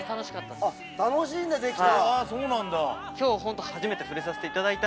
楽しんでできた！